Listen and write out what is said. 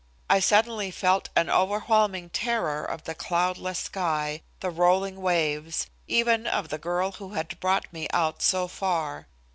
I suddenly felt an overwhelming terror of the cloudless sky, the rolling waves, even of the girl who had brought me out so far.